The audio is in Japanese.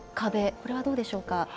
これはどうでしょうか。